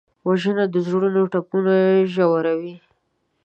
وژنه د زړونو ټپونه ژوروي